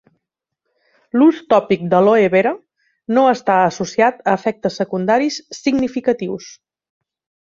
L'ús tòpic d'àloe vera no està associat a efectes secundaris significatius.